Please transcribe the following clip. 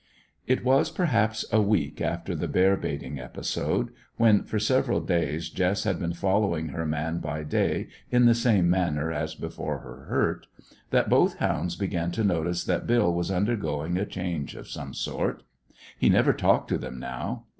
It was perhaps a week after the bear baiting episode, when for several days Jess had been following her man by day in the same manner as before her hurt, that both hounds began to notice that Bill was undergoing a change of some sort. He never talked to them now.